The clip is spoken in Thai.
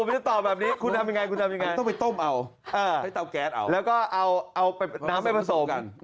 พูดเล่น